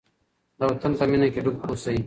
د وطن په مینه کې ډوب اوسئ.